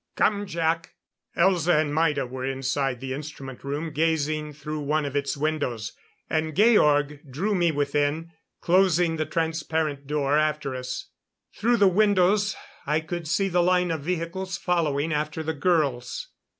"Come, Jac." Elza and Maida were inside the instrument room gazing through one of its windows; and Georg drew me within, closing the transparent door after us. Through the windows I could see the line of vehicles following after the girls.